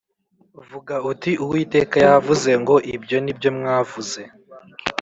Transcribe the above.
Vuga uti uwiteka yavuze ngo ibyo ni byo mwavuze